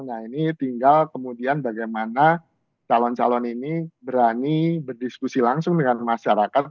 nah ini tinggal kemudian bagaimana calon calon ini berani berdiskusi langsung dengan masyarakat